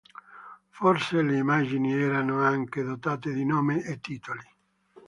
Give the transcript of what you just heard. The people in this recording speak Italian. Forse le immagini erano anche dotate di nome e titoli.